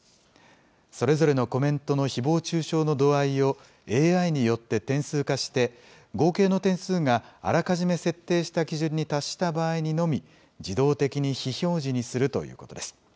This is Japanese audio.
それぞれのコメントのひぼう中傷の度合いを、ＡＩによって点数化して、合計の点数があらかじめ設定した基準に達した場合のみ、自動的に非表示にするということです。